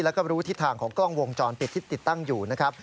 แล้วก็รู้ทิศทางของกล้องวงจรปิดที่ติดตั้งอยู่นะครับ